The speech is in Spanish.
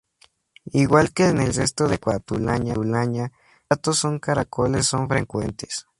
Igual que en el resto de Cataluña, los platos con caracoles son frecuentes.